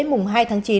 mùng hai tháng chín